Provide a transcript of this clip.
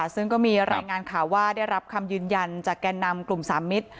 ซึ่งก็มีรายงานข่าวว่าได้รับคำยืนยันจากแก่นำกลุ่มสามมิตร